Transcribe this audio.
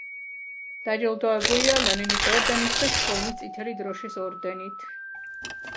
დაჯილდოებულია ლენინის ორდენით და შრომის წითელი დროშის ორდენით.